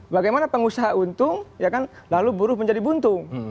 bagaimana pengusaha untung ya kan lalu buruh menjadi buntung